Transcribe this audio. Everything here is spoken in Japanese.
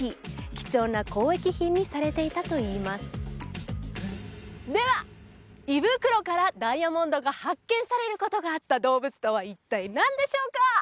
貴重な交易品にされていたといいますでは胃袋からダイヤモンドが発見されることがあった動物とは一体何でしょうか？